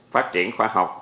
phát triển khoa học